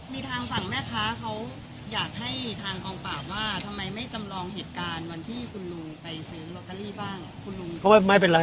มีทางฝั่งแม่ค้าเขาอยากให้ทางกองปราบว่าทำไมไม่จำลองเหตุการณ์วันที่คุณลุงไปซื้อลอตเตอรี่บ้างคุณลุง